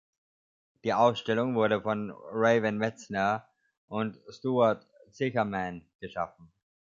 Die Ausstellung wurde von Raven Metzner und Stuart Zicherman geschaffen.